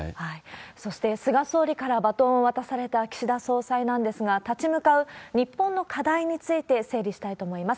そして、菅総理からバトンを渡された岸田総裁なんですが、立ち向かう日本の課題について整理したいと思います。